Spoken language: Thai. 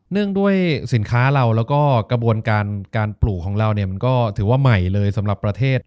งด้วยสินค้าเราแล้วก็กระบวนการการปลูกของเราเนี่ยมันก็ถือว่าใหม่เลยสำหรับประเทศ